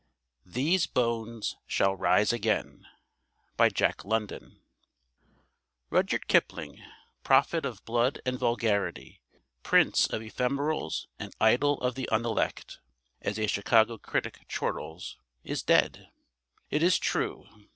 THESE BONES SHALL RISE AGAIN Rudyard Kipling, "prophet of blood and vulgarity, prince of ephemerals and idol of the unelect" as a Chicago critic chortles is dead. It is true.